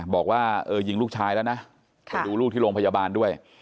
บอกว่าเออยิงลูกชายแล้วนะไปดูลูกที่โรงพยาบาลด้วย